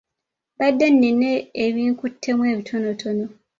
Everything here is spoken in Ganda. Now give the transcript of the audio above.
Mbadde nina ebinkuttemu ebitonotono.